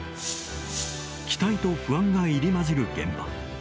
期待と不安が入り混じる現場。